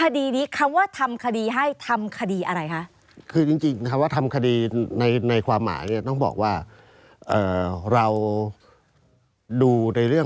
ทนายอาคมทำคดีนี้เลย